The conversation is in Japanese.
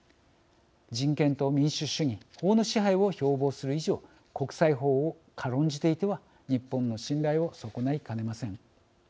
人権と民主主義法の支配を標ぼうする以上国際法を軽んじていては日本の信頼を損ないかねません。